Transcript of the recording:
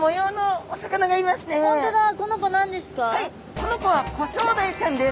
この子はコショウダイちゃんです。